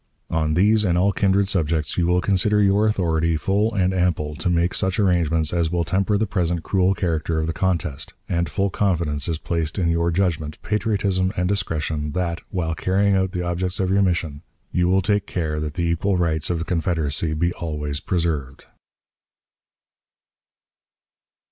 "On these and all kindred subjects you will consider your authority full and ample to make such arrangements as will temper the present cruel character of the contest, and full confidence is placed in your judgment, patriotism, and discretion that, while carrying out the objects of your mission, you will take care that the equal rights of the Confederacy be always preserved."